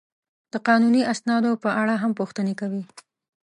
د قانوني اسنادو په اړه هم پوښتنې کوي.